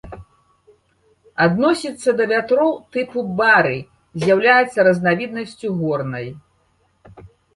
Адносіцца да вятроў тыпу бары, з'яўляецца разнавіднасцю горнай.